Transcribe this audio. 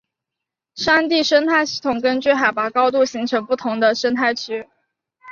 山地生态系统根据海拔高度形成不同的生态区。